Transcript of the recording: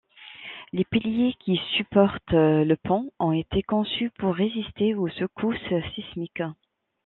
Les piliers qui supportent le pont ont été conçus pour résister aux secousses sismiques.